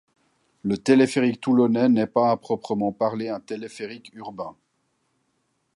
Le téléphérique toulonnais n'est pas à proprement parler un téléphérique urbain.